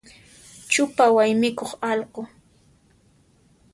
Chupa waymikuq allqu.